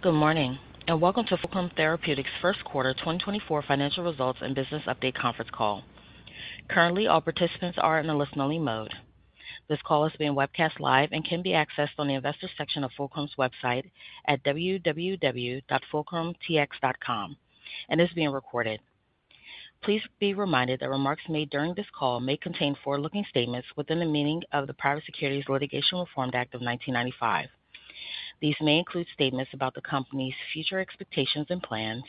Good morning, and welcome to Fulcrum Therapeutics' first quarter 2024 financial results and business update conference call. Currently, all participants are in a listen-only mode. This call is being webcast live and can be accessed on the investors section of Fulcrum's website at www.fulcrumtx.com, and is being recorded. Please be reminded that remarks made during this call may contain forward-looking statements within the meaning of the Private Securities Litigation Reform Act of 1995. These may include statements about the company's future expectations and plans,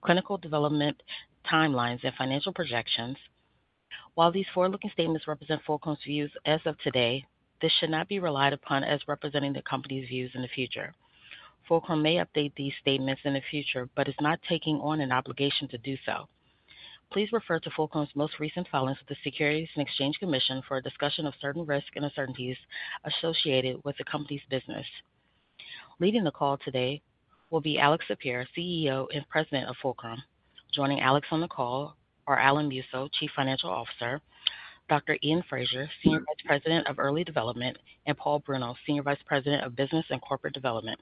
clinical development timelines, and financial projections. While these forward-looking statements represent Fulcrum's views as of today, this should not be relied upon as representing the company's views in the future. Fulcrum may update these statements in the future, but is not taking on an obligation to do so. Please refer to Fulcrum's most recent filings with the Securities and Exchange Commission for a discussion of certain risks and uncertainties associated with the company's business. Leading the call today will be Alex Sapir, CEO and President of Fulcrum. Joining Alex on the call are Alan Musso, Chief Financial Officer, Dr. Iain Fraser, Senior Vice President of Early Development, and Paul Bruno, Senior Vice President of Business and Corporate Development.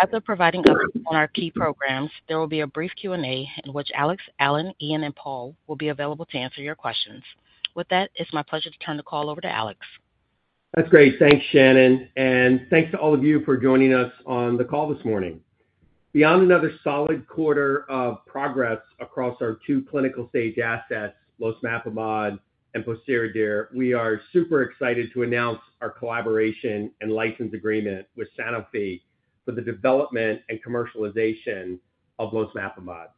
After providing updates on our key programs, there will be a brief Q&A in which Alex, Alan, Iain, and Paul will be available to answer your questions. With that, it's my pleasure to turn the call over to Alex. That's great. Thanks, Shannon, and thanks to all of you for joining us on the call this morning. Beyond another solid quarter of progress across our two clinical stage assets, losmapimod and pociredir, we are super excited to announce our collaboration and license agreement with Sanofi for the development and commercialization of losmapimod.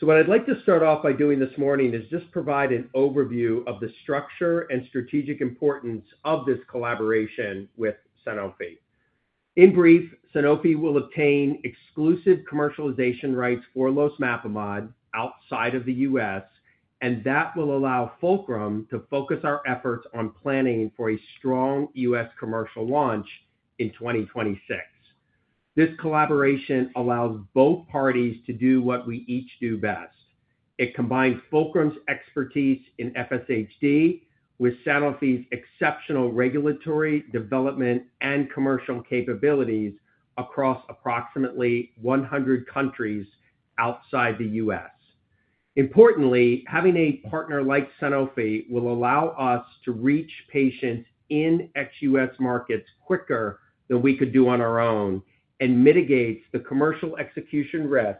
So what I'd like to start off by doing this morning is just provide an overview of the structure and strategic importance of this collaboration with Sanofi. In brief, Sanofi will obtain exclusive commercialization rights for losmapimod outside of the U.S., and that will allow Fulcrum to focus our efforts on planning for a strong US commercial launch in 2026. This collaboration allows both parties to do what we each do best. It combines Fulcrum's expertise in FSHD with Sanofi's exceptional regulatory development and commercial capabilities across approximately 100 countries outside the U.S. Importantly, having a partner like Sanofi will allow us to reach patients in ex-U.S. markets quicker than we could do on our own and mitigates the commercial execution risk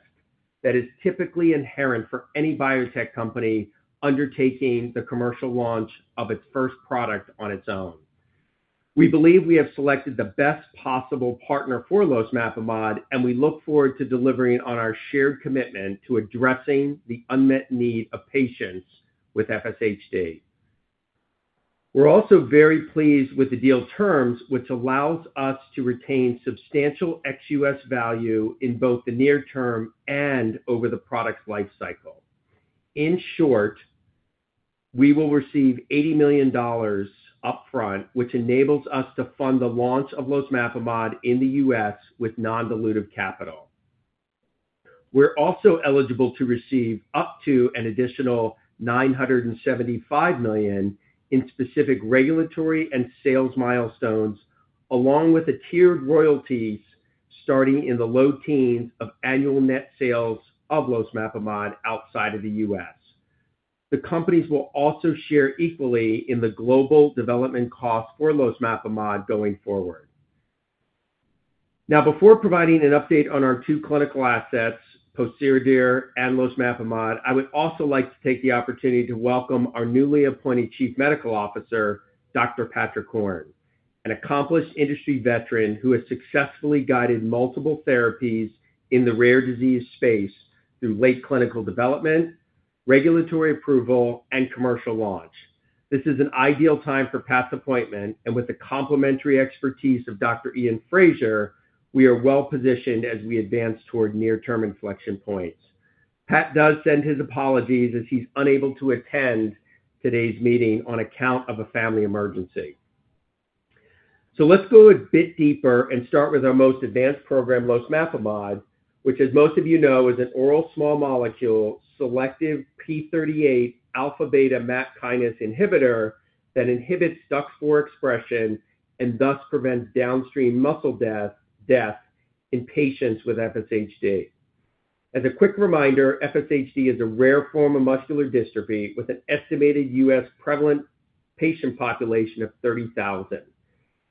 that is typically inherent for any biotech company undertaking the commercial launch of its first product on its own. We believe we have selected the best possible partner for losmapimod, and we look forward to delivering on our shared commitment to addressing the unmet need of patients with FSHD. We're also very pleased with the deal terms, which allows us to retain substantial ex-U.S. value in both the near term and over the product's life cycle. In short, we will receive $80 million upfront, which enables us to fund the launch of losmapimod in the U.S. with non-dilutive capital. We're also eligible to receive up to an additional $975 million in specific regulatory and sales milestones, along with the tiered royalties starting in the low teens of annual net sales of losmapimod outside of the U.S. The companies will also share equally in the global development cost for losmapimod going forward. Now, before providing an update on our two clinical assets, pociredir and losmapimod, I would also like to take the opportunity to welcome our newly appointed Chief Medical Officer, Dr. Patrick Horn, an accomplished industry veteran who has successfully guided multiple therapies in the rare disease space through late clinical development, regulatory approval, and commercial launch. This is an ideal time for Pat's appointment, and with the complementary expertise of Dr. Iain Fraser, we are well-positioned as we advance toward near-term inflection points. Pat does send his apologies as he's unable to attend today's meeting on account of a family emergency. So let's go a bit deeper and start with our most advanced program, losmapimod, which, as most of you know, is an oral small molecule, selective p38 alpha beta MAP kinase inhibitor that inhibits DUX4 expression and thus prevents downstream muscle death, death in patients with FSHD. As a quick reminder, FSHD is a rare form of muscular dystrophy with an estimated U.S. prevalent patient population of 30,000.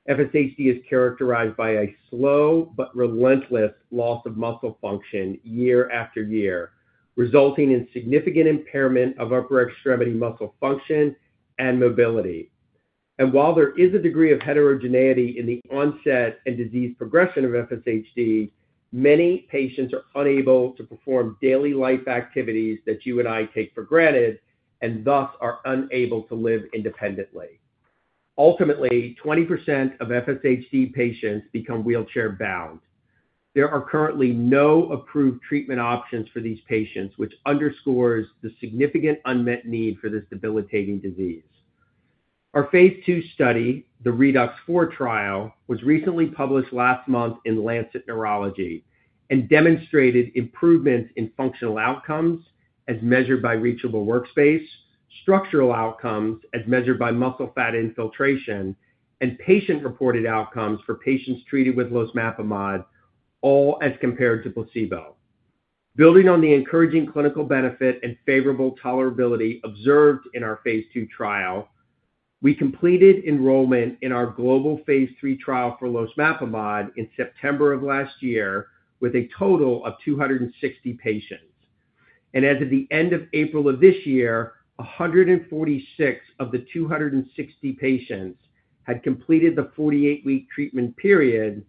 FSHD is characterized by a slow but relentless loss of muscle function year after year, resulting in significant impairment of upper extremity muscle function and mobility. While there is a degree of heterogeneity in the onset and disease progression of FSHD, many patients are unable to perform daily life activities that you and I take for granted and thus are unable to live independently. Ultimately, 20% of FSHD patients become wheelchair-bound. There are currently no approved treatment options for these patients, which underscores the significant unmet need for this debilitating disease. Our phase II study, the ReDUX4 trial, was recently published last month in Lancet Neurology and demonstrated improvements in functional outcomes as measured by reachable workspace, structural outcomes as measured by muscle fat infiltration and patient-reported outcomes for patients treated with losmapimod, all as compared to placebo. Building on the encouraging clinical benefit and favorable tolerability observed in our phase II trial, we completed enrollment in our global phase III trial for losmapimod in September of last year, with a total of 260 patients. As of the end of April of this year, 146 of the 260 patients had completed the 48-week treatment period,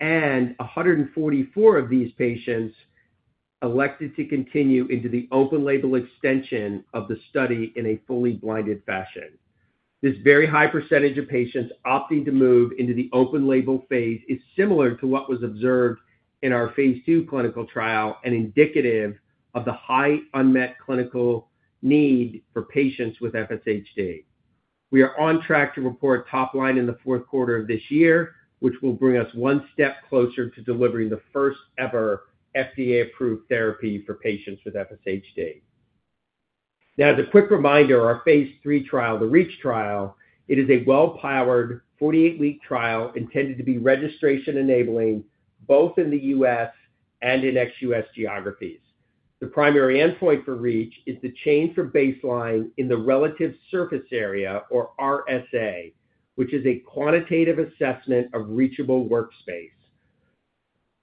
and 144 of these patients elected to continue into the open-label extension of the study in a fully blinded fashion. This very high percentage of patients opting to move into the open label phase is similar to what was observed in our phase II clinical trial and indicative of the high unmet clinical need for patients with FSHD. We are on track to report top line in the fourth quarter of this year, which will bring us one step closer to delivering the first-ever FDA-approved therapy for patients with FSHD. Now, as a quick reminder, our phase III trial, the REACH trial, it is a well-powered, 48-week trial intended to be registration-enabling both in the US and in ex-US geographies. The primary endpoint for REACH is the change for baseline in the relative surface area or RSA, which is a quantitative assessment of reachable workspace.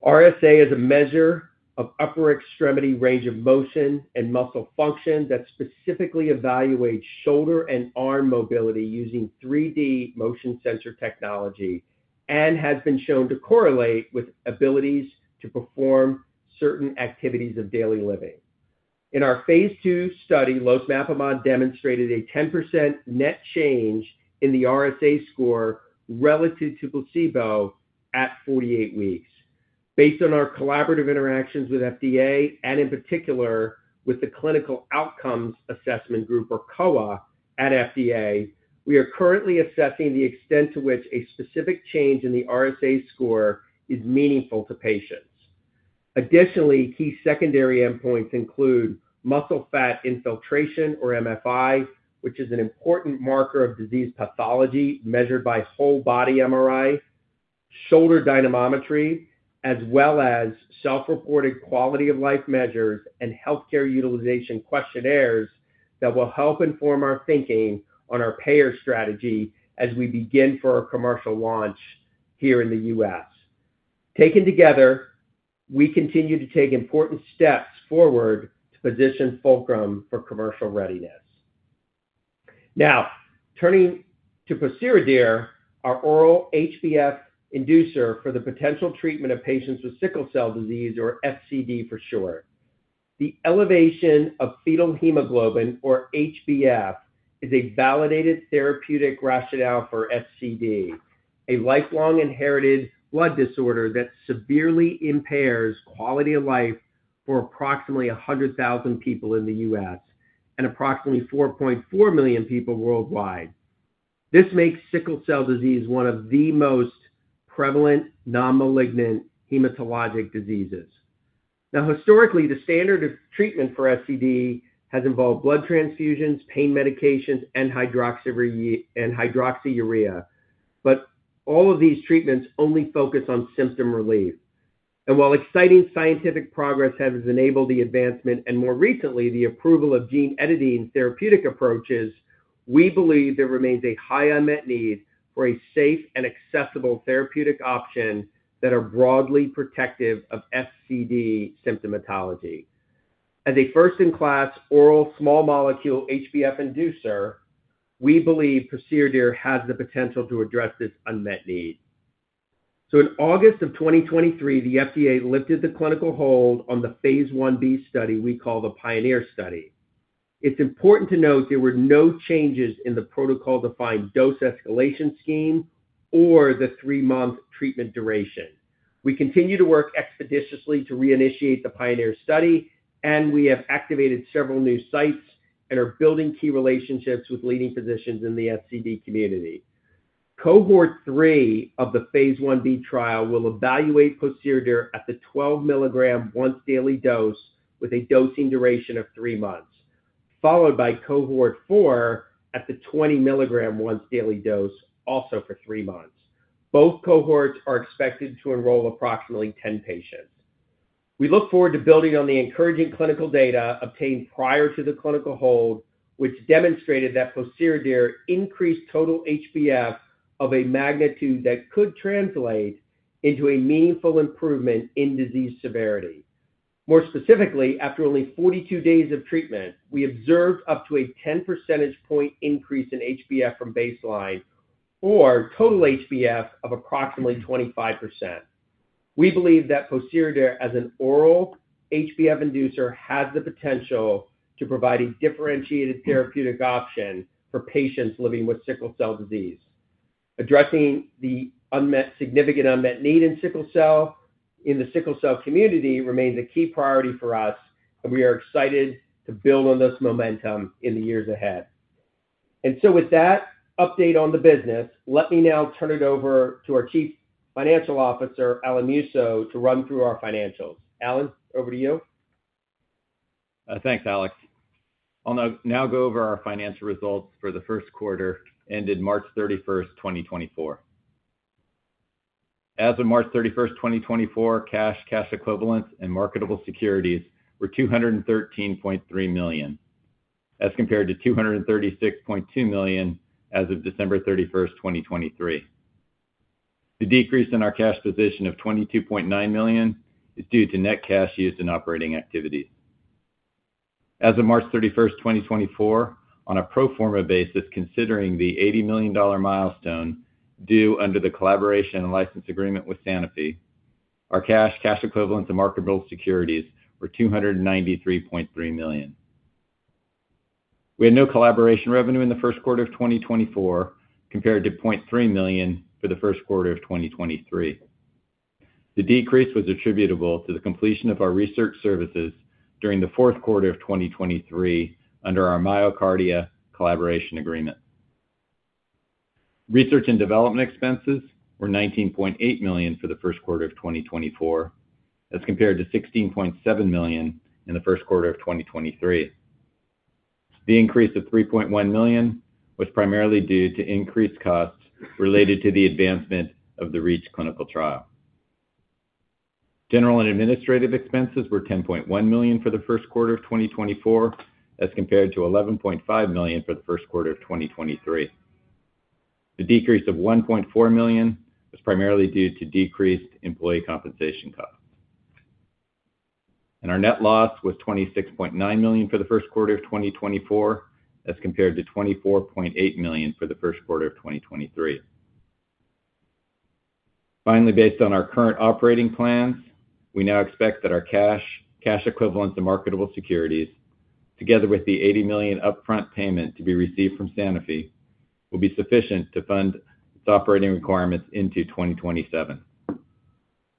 RSA is a measure of upper extremity range of motion and muscle function that specifically evaluates shoulder and arm mobility using 3D motion sensor technology, and has been shown to correlate with abilities to perform certain activities of daily living. In our phase II study, losmapimod demonstrated a 10% net change in the RSA score relative to placebo at 48 weeks. Based on our collaborative interactions with FDA, and in particular with the Clinical Outcomes Assessment Group, or COA, at FDA, we are currently assessing the extent to which a specific change in the RSA score is meaningful to patients. Additionally, key secondary endpoints include muscle fat infiltration, or MFI, which is an important marker of disease pathology measured by whole body MRI, shoulder dynamometry, as well as self-reported quality of life measures and healthcare utilization questionnaires that will help inform our thinking on our payer strategy as we begin for our commercial launch here in the U.S. Taken together, we continue to take important steps forward to position Fulcrum for commercial readiness. Now, turning to pociredir, our oral HbF inducer for the potential treatment of patients with sickle cell disease, or SCD for short. The elevation of fetal hemoglobin, or HbF, is a validated therapeutic rationale for SCD, a lifelong inherited blood disorder that severely impairs quality of life for approximately 100,000 people in the U.S. and approximately 4.4 million people worldwide. This makes sickle cell disease one of the most prevalent non-malignant hematologic diseases. Now, historically, the standard of treatment for SCD has involved blood transfusions, pain medications, and hydroxyurea, but all of these treatments only focus on symptom relief. While exciting scientific progress has enabled the advancement, and more recently, the approval of gene editing therapeutic approaches, we believe there remains a high unmet need for a safe and accessible therapeutic option that are broadly protective of SCD symptomatology. As a first-in-class oral small molecule HbF inducer, we believe pociredir has the potential to address this unmet need. So in August of 2023, the FDA lifted the clinical hold on the phase 1b study we call the PIONEER study. It's important to note there were no changes in the protocol-defined dose escalation scheme or the 3-month treatment duration. We continue to work expeditiously to reinitiate the PIONEER study, and we have activated several new sites and are building key relationships with leading physicians in the SCD community. Cohort 3 of the phase Ib trial will evaluate pociredir at the 12 mg once daily dose with a dosing duration of three months, followed by cohort 4 at the 20 mg once daily dose, also for three months. Both cohorts are expected to enroll approximately 10 patients. We look forward to building on the encouraging clinical data obtained prior to the clinical hold, which demonstrated that pociredir increased total HbF of a magnitude that could translate into a meaningful improvement in disease severity. More specifically, after only 42 days of treatment, we observed up to a 10 percentage point increase in HbF from baseline or total HbF of approximately 25%. We believe that pociredir, as an oral HbF inducer, has the potential to provide a differentiated therapeutic option for patients living with sickle cell disease. Addressing the unmet, significant unmet need in the sickle cell community remains a key priority for us, and we are excited to build on this momentum in the years ahead.... So with that update on the business, let me now turn it over to our Chief Financial Officer, Alan Musso, to run through our financials. Alan, over to you. Thanks, Alex. I'll now go over our financial results for the first quarter ended March 31st, 2024. As of March 31st, 2024, cash, cash equivalents, and marketable securities were $213.3 million, as compared to $236.2 million as of December 31st, 2023. The decrease in our cash position of $22.9 million is due to net cash used in operating activities. As of March 31st, 2024, on a pro forma basis, considering the $80 million milestone due under the collaboration and license agreement with Sanofi, our cash, cash equivalents, and marketable securities were $293.3 million. We had no collaboration revenue in the first quarter of 2024, compared to $0.3 million for the first quarter of 2023. The decrease was attributable to the completion of our research services during the fourth quarter of 2023, under our MyoKardia collaboration agreement. Research and development expenses were $19.8 million for the first quarter of 2024, as compared to $16.7 million in the first quarter of 2023. The increase of $3.1 million was primarily due to increased costs related to the advancement of the REACH clinical trial. General and administrative expenses were $10.1 million for the first quarter of 2024, as compared to $11.5 million for the first quarter of 2023. The decrease of $1.4 million was primarily due to decreased employee compensation costs. Our net loss was $26.9 million for the first quarter of 2024, as compared to $24.8 million for the first quarter of 2023. Finally, based on our current operating plans, we now expect that our cash, cash equivalents, and marketable securities, together with the $80 million upfront payment to be received from Sanofi, will be sufficient to fund its operating requirements into 2027.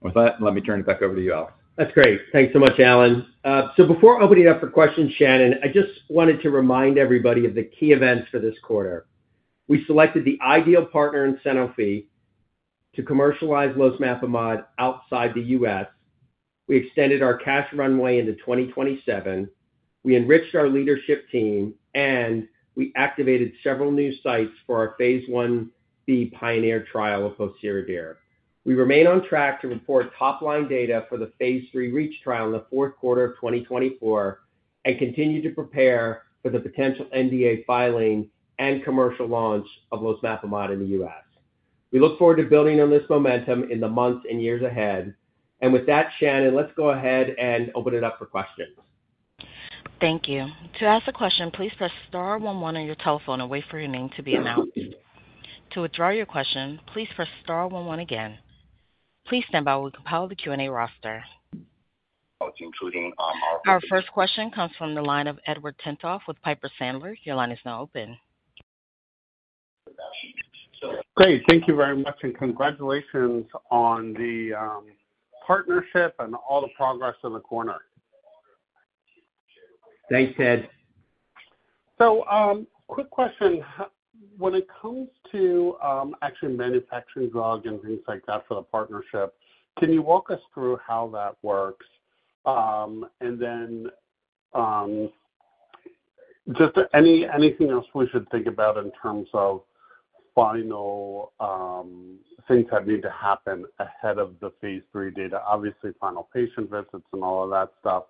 With that, let me turn it back over to you, Alex. That's great. Thanks so much, Alan. So before opening up for questions, Shannon, I just wanted to remind everybody of the key events for this quarter. We selected the ideal partner in Sanofi to commercialize losmapimod outside the U.S. We extended our cash runway into 2027. We enriched our leadership team, and we activated several new sites for our phase Ib PIONEER trial of pociredir. We remain on track to report top-line data for the phase three REACH trial in the fourth quarter of 2024, and continue to prepare for the potential NDA filing and commercial launch of losmapimod in the U.S. We look forward to building on this momentum in the months and years ahead. And with that, Shannon, let's go ahead and open it up for questions. Thank you. To ask a question, please press star one one on your telephone and wait for your name to be announced. To withdraw your question, please press star one one again. Please stand by while we compile the Q&A roster. Oh, it's including, our- Our first question comes from the line of Edward Tenthoff with Piper Sandler. Your line is now open. Great, thank you very much, and congratulations on the partnership and all the progress in the program. Thanks, Ted. So, quick question. When it comes to actually manufacturing drug and things like that for the partnership, can you walk us through how that works? And then, just anything else we should think about in terms of final things that need to happen ahead of the phase III data? Obviously, final patient visits and all of that stuff,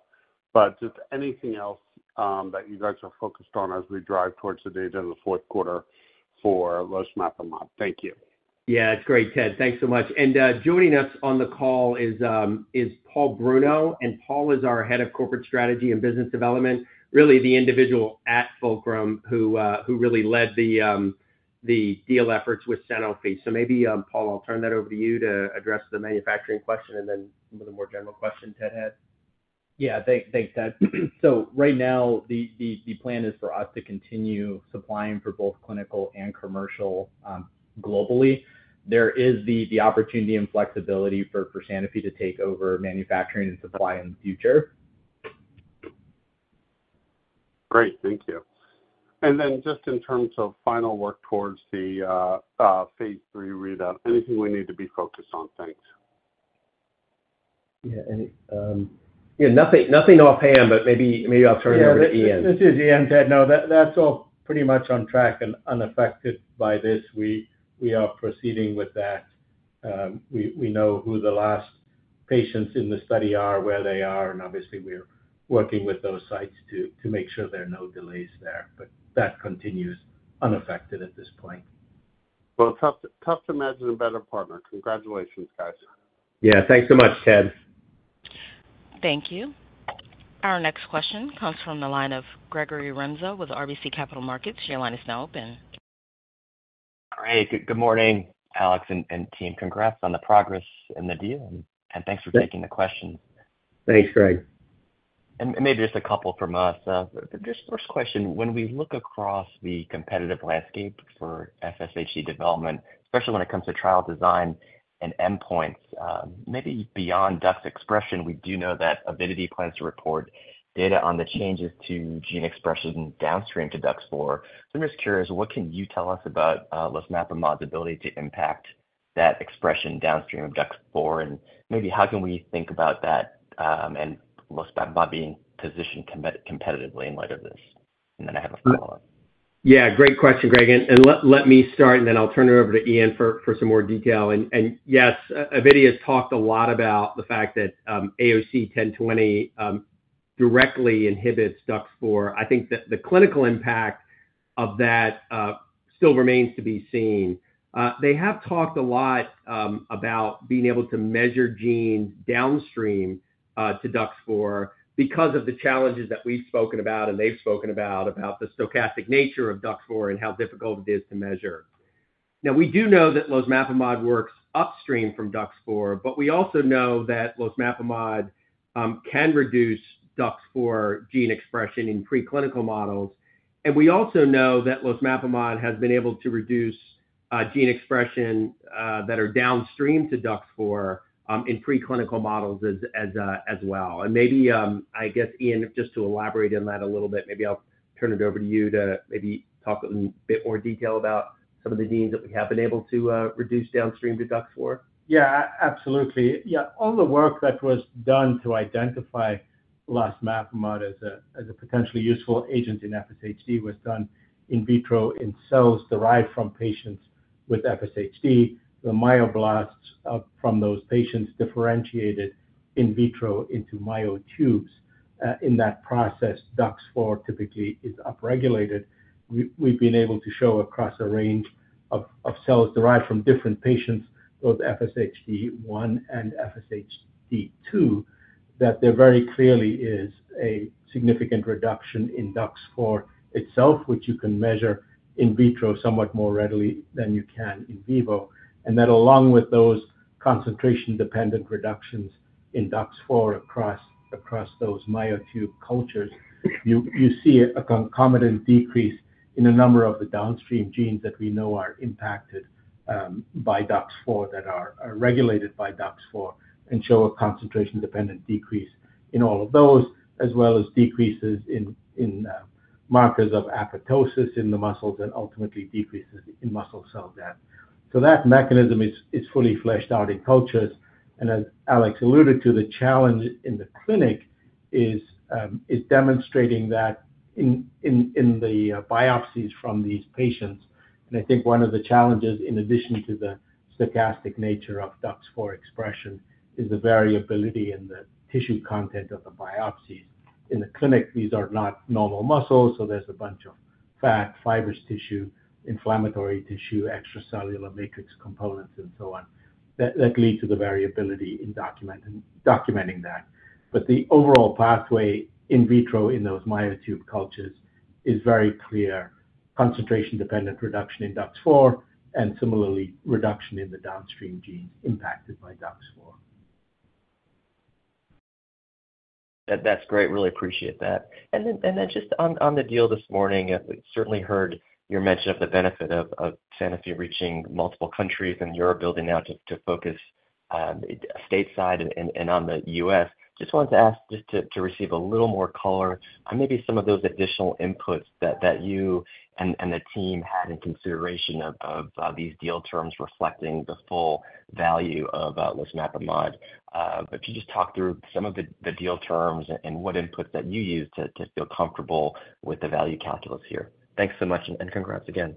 but just anything else that you guys are focused on as we drive towards the data in the fourth quarter for losmapimod. Thank you. Yeah, it's great, Ted. Thanks so much. And joining us on the call is Paul Bruno, and Paul is our Head of Corporate Strategy and Business Development, really the individual at Fulcrum who really led the deal efforts with Sanofi. So maybe, Paul, I'll turn that over to you to address the manufacturing question and then some of the more general questions Ted had. Yeah, thanks. Thanks, Ted. So right now, the plan is for us to continue supplying for both clinical and commercial, globally. There is the opportunity and flexibility for Sanofi to take over manufacturing and supply in the future. Great. Thank you. And then just in terms of final work towards the phase III readout, anything we need to be focused on? Thanks. Yeah, nothing offhand, but maybe I'll turn it over to Iain. Yeah, this is Iain, Ted. No, that, that's all pretty much on track and unaffected by this. We are proceeding with that. We know who the last patients in the study are, where they are, and obviously, we're working with those sites to make sure there are no delays there, but that continues unaffected at this point. Well, tough, tough to imagine a better partner. Congratulations, guys. Yeah. Thanks so much, Ted. Thank you. Our next question comes from the line of Gregory Renza with RBC Capital Markets. Your line is now open. Great. Good morning, Alex and team. Congrats on the progress in the deal, and thanks for taking the questions. Thanks, Greg. Maybe just a couple from us. Just first question, when we look across the competitive landscape for FSHD development, especially when it comes to trial design and endpoints, maybe beyond DUX4 expression, we do know that Avidity plans to report data on the changes to gene expressions and downstream to DUX4. So I'm just curious, what can you tell us about losmapimod's ability to impact that expression downstream of DUX4, and maybe how can we think about that, and most about being positioned competitively in light of this? And then I have a follow-up. Yeah, great question, Greg. Let me start, and then I'll turn it over to Iain for some more detail. Yes, Avidity has talked a lot about the fact that AOC 1020 directly inhibits DUX4. I think that the clinical impact of that still remains to be seen. They have talked a lot about being able to measure genes downstream to DUX4 because of the challenges that we've spoken about and they've spoken about the stochastic nature of DUX4 and how difficult it is to measure. Now, we do know that losmapimod works upstream from DUX4, but we also know that losmapimod can reduce DUX4 gene expression in preclinical models. We also know that losmapimod has been able to reduce gene expression that are downstream to DUX4 in preclinical models as well. And maybe, I guess, Iain, just to elaborate on that a little bit, maybe I'll turn it over to you to maybe talk in a bit more detail about some of the genes that we have been able to reduce downstream to DUX4. Yeah, absolutely. Yeah, all the work that was done to identify losmapimod as a potentially useful agent in FSHD was done in vitro, in cells derived from patients with FSHD. The myoblasts from those patients differentiated in vitro into myotubes. In that process, DUX4 typically is upregulated. We've been able to show across a range of cells derived from different patients, both FSHD1 and FSHD2, that there very clearly is a significant reduction in DUX4 itself, which you can measure in vitro somewhat more readily than you can in vivo. That along with those concentration-dependent reductions in DUX4 across those myotube cultures, you see a concomitant decrease in the number of the downstream genes that we know are impacted by DUX4, that are regulated by DUX4, and show a concentration-dependent decrease in all of those, as well as decreases in markers of apoptosis in the muscles and ultimately decreases in muscle cell death. That mechanism is fully fleshed out in cultures, and as Alex alluded to, the challenge in the clinic is demonstrating that in the biopsies from these patients. I think one of the challenges, in addition to the stochastic nature of DUX4 expression, is the variability in the tissue content of the biopsies. In the clinic, these are not normal muscles, so there's a bunch of fat, fibrous tissue, inflammatory tissue, extracellular matrix components and so on, that lead to the variability in documenting that. But the overall pathway in vitro in those myotube cultures is very clear: concentration-dependent reduction in DUX4, and similarly, reduction in the downstream genes impacted by DUX4. That's great. Really appreciate that. And then just on the deal this morning, we certainly heard your mention of the benefit of Sanofi reaching multiple countries, and you're building now to focus stateside and on the U.S. Just wanted to ask just to receive a little more color on maybe some of those additional inputs that you and the team had in consideration of these deal terms reflecting the full value of losmapimod. But if you just talk through some of the deal terms and what inputs that you used to feel comfortable with the value calculus here. Thanks so much, and congrats again.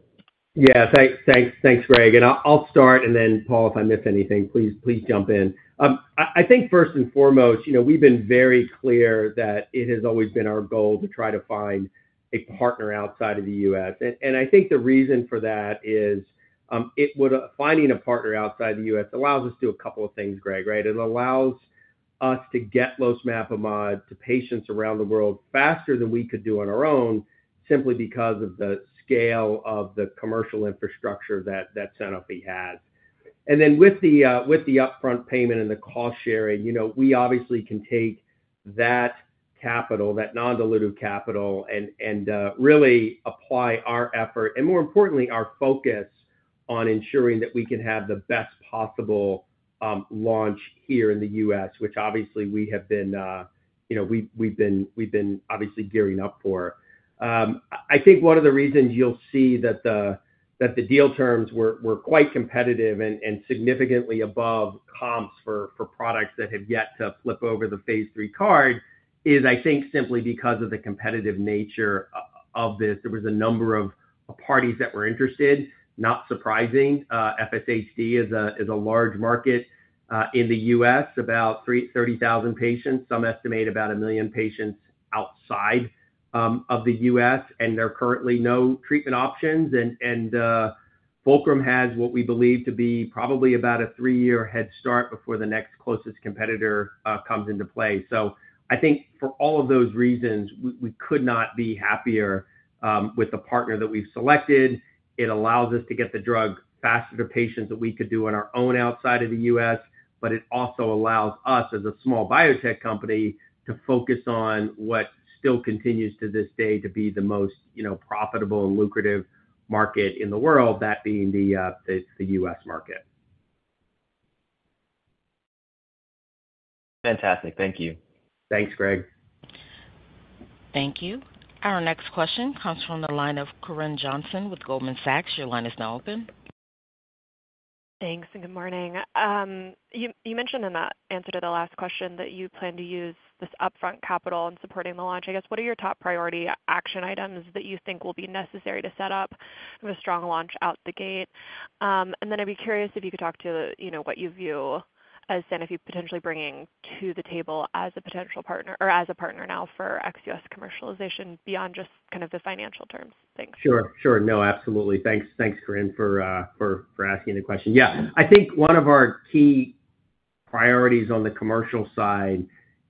Yeah. Thanks, thanks, thanks, Greg. And I'll start, and then Paul, if I miss anything, please, please jump in. I think first and foremost, you know, we've been very clear that it has always been our goal to try to find a partner outside of the U.S. And I think the reason for that is, Finding a partner outside of the U.S allows us to do a couple of things, Greg, right? It allows us to get losmapimod to patients around the world faster than we could do on our own, simply because of the scale of the commercial infrastructure that Sanofi has. And then with the upfront payment and the cost sharing, you know, we obviously can take that capital, that non-dilutive capital, and really apply our effort, and more importantly, our focus on ensuring that we can have the best possible launch here in the U.S, which obviously we have been gearing up for. I think one of the reasons you'll see that the deal terms were quite competitive and significantly above comps for products that have yet to flip over the phase III card is, I think, simply because of the competitive nature of this. There was a number of parties that were interested, not surprising. FSHD is a large market in the US, about 30,000 patients. Some estimate about 1 million patients outside of the U.S, and there are currently no treatment options. Fulcrum has what we believe to be probably about a three-year head start before the next closest competitor comes into play. So I think for all of those reasons, we could not be happier with the partner that we've selected. It allows us to get the drug faster to patients than we could do on our own outside of the U.S, but it also allows us, as a small biotech company, to focus on what still continues to this day to be the most, you know, profitable and lucrative market in the world, that being the U.S market.... Fantastic. Thank you. Thanks, Greg. Thank you. Our next question comes from the line of Corinne Johnson with Goldman Sachs. Your line is now open. Thanks, and good morning. You mentioned in that answer to the last question that you plan to use this upfront capital in supporting the launch. I guess, what are your top priority action items that you think will be necessary to set up with a strong launch out the gate? And then I'd be curious if you could talk to, you know, what you view as Sanofi potentially bringing to the table as a potential partner or as a partner now for ex-US commercialization beyond just kind of the financial terms. Thanks. Sure, sure. No, absolutely. Thanks, thanks, Corinne, for asking the question. Yeah, I think one of our key priorities on the commercial side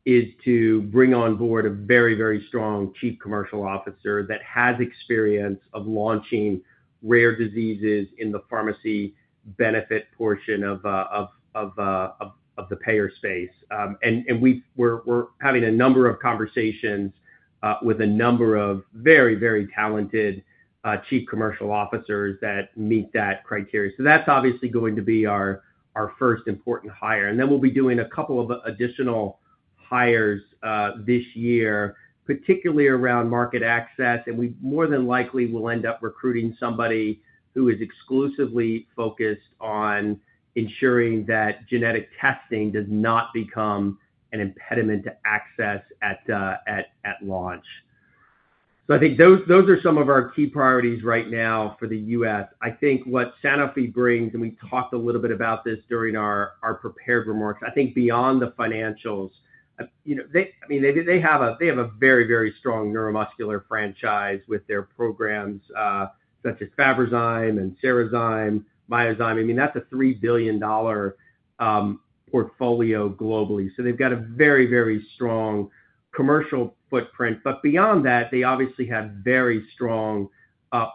is to bring on board a very, very strong chief commercial officer that has experience of launching rare diseases in the pharmacy benefit portion of the payer space. And we're having a number of conversations with a number of very, very talented chief commercial officers that meet that criteria. So that's obviously going to be our first important hire. And then we'll be doing a couple of additional hires this year, particularly around market access, and we more than likely will end up recruiting somebody who is exclusively focused on ensuring that genetic testing does not become an impediment to access at launch. So I think those are some of our key priorities right now for the US. I think what Sanofi brings, and we talked a little bit about this during our prepared remarks, I think beyond the financials, you know, I mean, they have a very, very strong neuromuscular franchise with their programs, such as Fabrazyme and Cerezyme, Myozyme. I mean, that's a $3 billion portfolio globally. So they've got a very, very strong commercial footprint. But beyond that, they obviously have very strong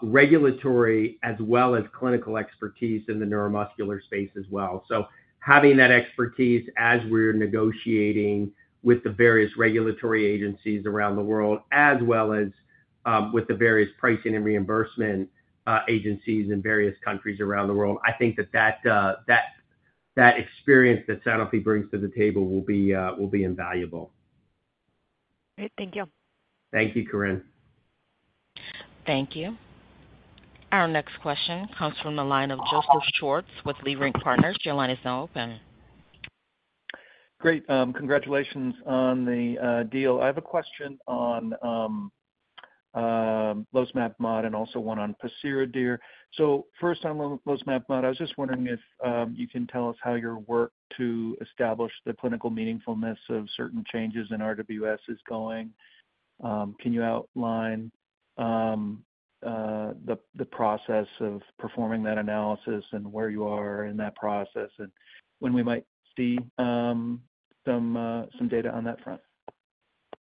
regulatory as well as clinical expertise in the neuromuscular space as well. So having that expertise as we're negotiating with the various regulatory agencies around the world, as well as with the various pricing and reimbursement agencies in various countries around the world, I think that experience that Sanofi brings to the table will be invaluable. Great. Thank you. Thank you, Corinne. Thank you. Our next question comes from the line of Joseph Schwartz with Leerink Partners. Your line is now open. Great. Congratulations on the deal. I have a question on losmapimod and also one on pociredir. So first on losmapimod, I was just wondering if you can tell us how your work to establish the clinical meaningfulness of certain changes in RWS is going. Can you outline the process of performing that analysis and where you are in that process, and when we might see some data on that front?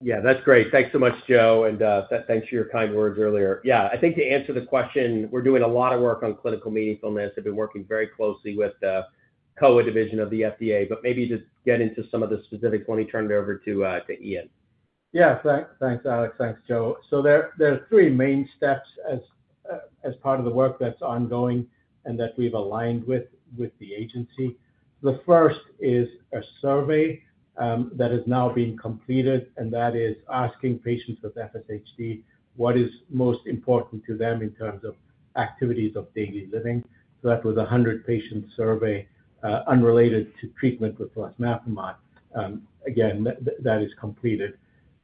Yeah, that's great. Thanks so much, Joe, and thanks for your kind words earlier. Yeah, I think to answer the question, we're doing a lot of work on clinical meaningfulness, have been working very closely with the COA division of the FDA, but maybe to get into some of the specifics, let me turn it over to Iain. Yeah. Thanks, Alex. Thanks, Joe. So there are three main steps as part of the work that's ongoing and that we've aligned with the agency. The first is a survey that is now being completed, and that is asking patients with FSHD what is most important to them in terms of activities of daily living. So that was a 100-patient survey, unrelated to treatment with losmapimod. Again, that is completed.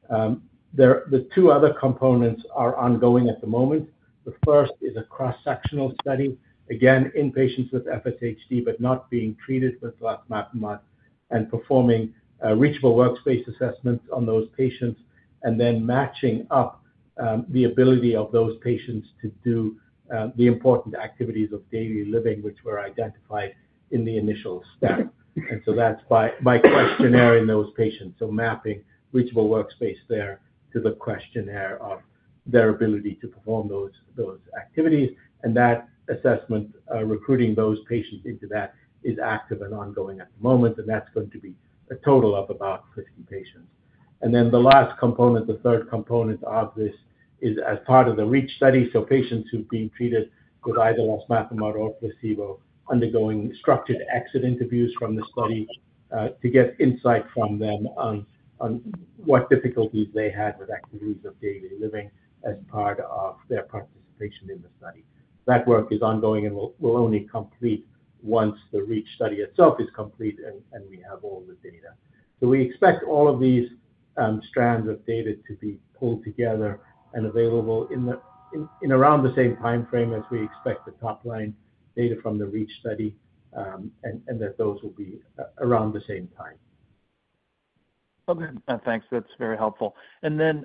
The two other components are ongoing at the moment. The first is a cross-sectional study, again, in patients with FSHD, but not being treated with losmapimod, and performing reachable workspace assessments on those patients, and then matching up the ability of those patients to do the important activities of daily living, which were identified in the initial study. And so that's by questionnaire in those patients, so mapping reachable workspace there to the questionnaire of their ability to perform those activities. And that assessment recruiting those patients into that is active and ongoing at the moment, and that's going to be a total of about 50 patients. And then the last component, the third component of this, is as part of the REACH study, so patients who've been treated with either losmapimod or placebo, undergoing structured exit interviews from the study to get insight from them on what difficulties they had with activities of daily living as part of their participation in the study. That work is ongoing and will only complete once the REACH study itself is complete and we have all the data. So we expect all of these strands of data to be pulled together and available in around the same timeframe as we expect the top line data from the REACH study, and that those will be around the same time. Okay. Thanks. That's very helpful. And then,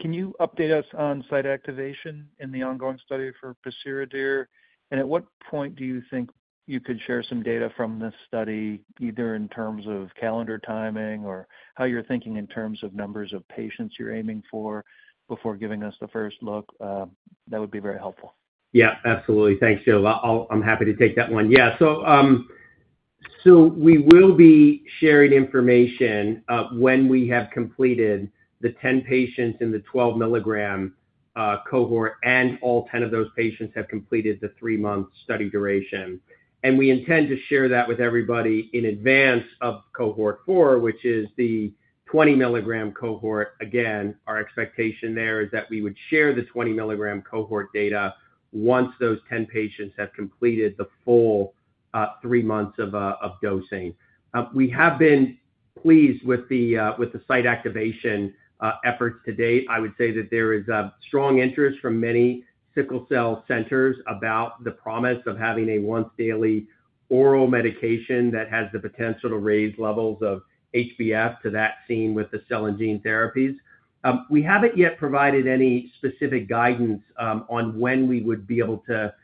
can you update us on site activation in the ongoing study for pociredir? And at what point do you think you could share some data from this study, either in terms of calendar timing or how you're thinking in terms of numbers of patients you're aiming for before giving us the first look? That would be very helpful. Yeah, absolutely. Thanks, Joe. I'm happy to take that one. Yeah, so, so we will be sharing information, when we have completed the 10 patients in the 12-milligram cohort, and all 10 of those patients have completed the 3-month study duration. And we intend to share that with everybody in advance of cohort 4, which is the 20-milligram cohort. Again, our expectation there is that we would share the 20-milligram cohort data once those 10 patients have completed the full, 3 months of dosing. We have been pleased with the site activation efforts to date. I would say that there is a strong interest from many sickle cell centers about the promise of having a once-daily oral medication that has the potential to raise levels of HbF to that seen with the cell and gene therapies. We haven't yet provided any specific guidance on when we would be able to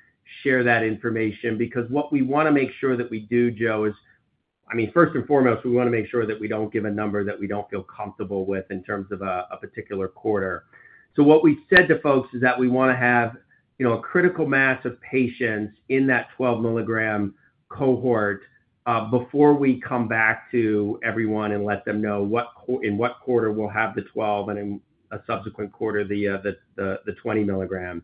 share that information, because what we wanna make sure that we do, Joe, is, I mean, first and foremost, we wanna make sure that we don't give a number that we don't feel comfortable with in terms of a particular quarter. So what we said to folks is that we wanna have, you know, a critical mass of patients in that 12-milligram cohort before we come back to everyone and let them know what in what quarter we'll have the 12, and in a subsequent quarter, the 20 milligram.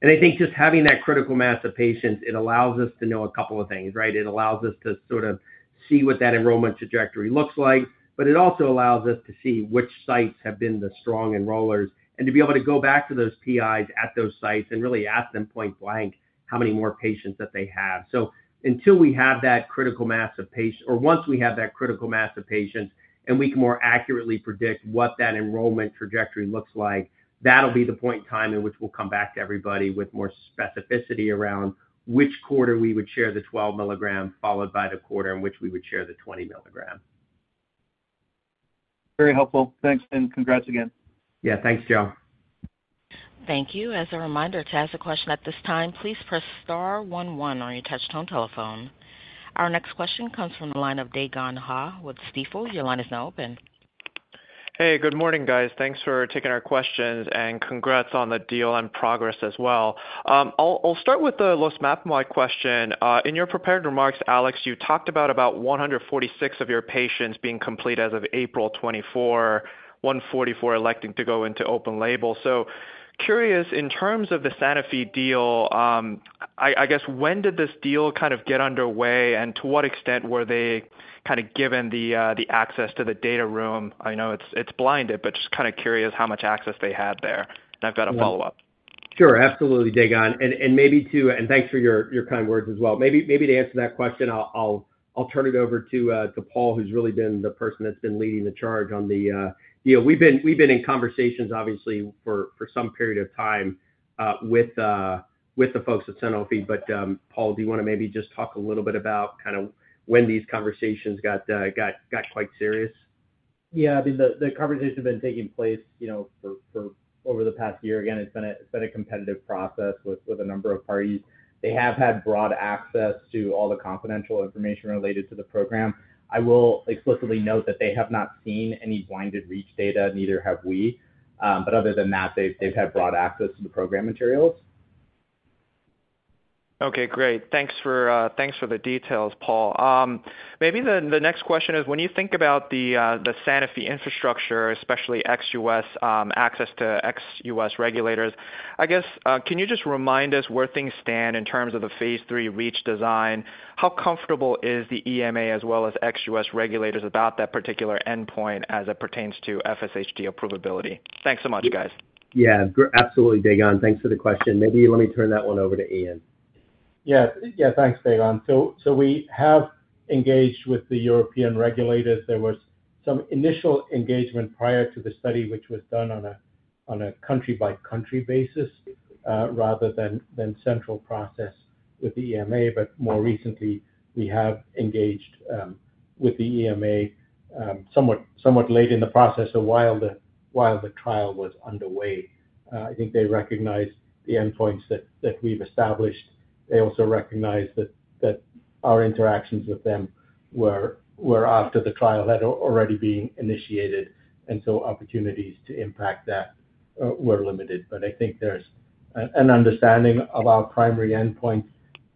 And I think just having that critical mass of patients, it allows us to know a couple of things, right? It allows us to sort of see what that enrollment trajectory looks like, but it also allows us to see which sites have been the strong enrollers, and to be able to go back to those PIs at those sites and really ask them point-blank, how many more patients that they have. So until we have that critical mass of patients, or once we have that critical mass of patients, and we can more accurately predict what that enrollment trajectory looks like, that'll be the point in time in which we'll come back to everybody with more specificity around which quarter we would share the 12 mg, followed by the quarter in which we would share the 20 mg. Very helpful. Thanks, and congrats again. Yeah. Thanks, Joe. Thank you. As a reminder, to ask a question at this time, please press star one one on your touchtone telephone. Our next question comes from the line of Dae Gon Ha with Stifel. Your line is now open. Hey, good morning, guys. Thanks for taking our questions, and congrats on the deal and progress as well. I'll, I'll start with the losmapimod question. In your prepared remarks, Alex, you talked about, about 146 of your patients being complete as of April 2024, 144 electing to go into open label. So curious, in terms of the Sanofi deal, I, I guess, when did this deal kind of get underway? And to what extent were they kind of given the, the access to the data room? I know it's, it's blinded, but just kind of curious how much access they had there. And I've got a follow-up. Sure, absolutely, Dae Gon. And thanks for your kind words as well. Maybe to answer that question, I'll turn it over to Paul, who's really been the person that's been leading the charge on the deal. We've been in conversations, obviously, for some period of time with the folks at Sanofi. But, Paul, do you wanna maybe just talk a little bit about kind of when these conversations got quite serious? Yeah. I mean, the conversations have been taking place, you know, for over the past year. Again, it's been a competitive process with a number of parties. They have had broad access to all the confidential information related to the program. I will explicitly note that they have not seen any blinded REACH data, neither have we. But other than that, they've had broad access to the program materials. Okay, great. Thanks for the details, Paul. Maybe the next question is, when you think about the Sanofi infrastructure, especially ex-US access to ex-US regulators, I guess, can you just remind us where things stand in terms of the phase III REACH design? How comfortable is the EMA, as well as ex-US regulators, about that particular endpoint as it pertains to FSHD approvability? Thanks so much, guys. Yeah, absolutely, Dae Gon. Thanks for the question. Maybe let me turn that one over to Iain. Yes. Yeah, thanks, Dae Gon. So we have engaged with the European regulators. There was some initial engagement prior to the study, which was done on a country-by-country basis rather than central process with the EMA. But more recently, we have engaged with the EMA somewhat late in the process, so while the trial was underway. I think they recognized the endpoints that we've established. They also recognized that our interactions with them were after the trial had already been initiated, and so opportunities to impact that were limited. But I think there's an understanding of our primary endpoints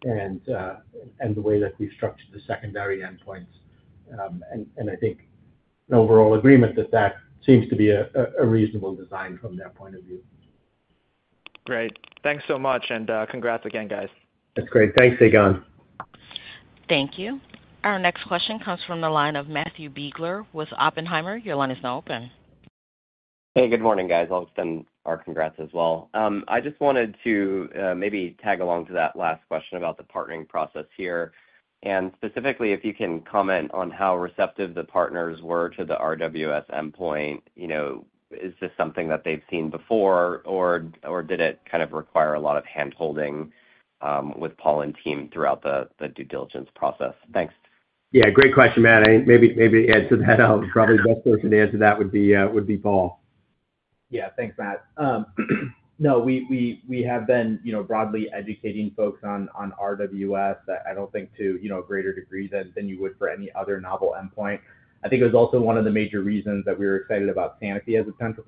and the way that we've structured the secondary endpoints. And I think an overall agreement that that seems to be a reasonable design from their point of view. Great. Thanks so much, and congrats again, guys. That's great. Thanks, Dae Gon. Thank you. Our next question comes from the line of Matthew Biegler with Oppenheimer. Your line is now open. Hey, good morning, guys. I'll extend our congrats as well. I just wanted to, maybe tag along to that last question about the partnering process here. And specifically, if you can comment on how receptive the partners were to the RWS endpoint. You know, is this something that they've seen before, or did it kind of require a lot of handholding, with Paul and team throughout the due diligence process? Thanks. Yeah, great question, Matt. I maybe, maybe to add to that, probably best person to answer that would be Paul. Yeah. Thanks, Matt. No, we have been, you know, broadly educating folks on RWS. I don't think to, you know, a greater degree than you would for any other novel endpoint. I think it was also one of the major reasons that we were excited about Sanofi as a potential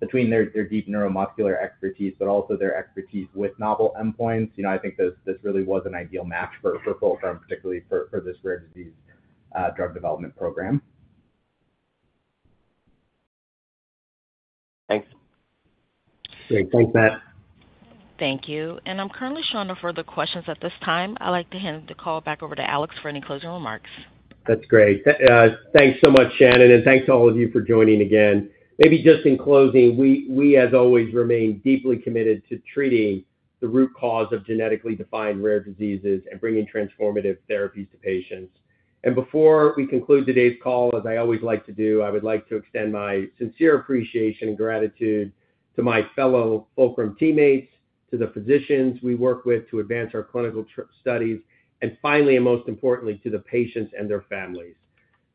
partner, between their deep neuromuscular expertise, but also their expertise with novel endpoints. You know, I think this really was an ideal match for Fulcrum, particularly for this rare disease drug development program. Thanks. Great. Thanks, Matt. Thank you. I'm currently showing no further questions at this time. I'd like to hand the call back over to Alex for any closing remarks. That's great. Thanks so much, Shannon, and thanks to all of you for joining again. Maybe just in closing, we, as always, remain deeply committed to treating the root cause of genetically defined rare diseases and bringing transformative therapies to patients. And before we conclude today's call, as I always like to do, I would like to extend my sincere appreciation and gratitude to my fellow Fulcrum teammates, to the physicians we work with to advance our clinical trials, and finally, and most importantly, to the patients and their families.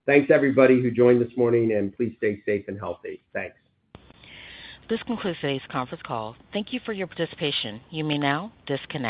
Thanks to everybody who joined this morning, and please stay safe and healthy. Thanks. This concludes today's conference call. Thank you for your participation. You may now disconnect.